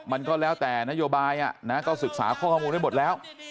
มันก็แล้วแต่นโยบายก็ศึกษาข้อมูลให้หมดแล้ว